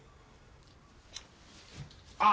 あ！